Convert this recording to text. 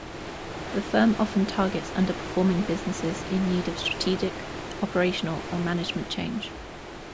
The firm often targets under-performing businesses in need of strategic, operational, or management change.